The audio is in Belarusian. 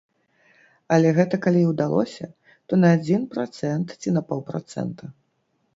Але гэта калі і ўдалося, то на адзін працэнт ці на паўпрацэнта.